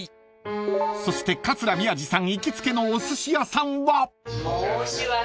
［そして桂宮治さん行きつけのおすし屋さんは］